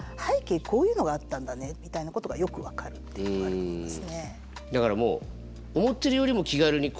こういうのがあったんだねみたいなことがよく分かるっていうのがありますね。